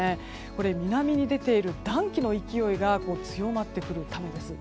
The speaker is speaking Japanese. これ、南に出ている暖気の勢いが強まってくるためです。